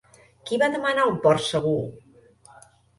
Qui va demanar un port segur?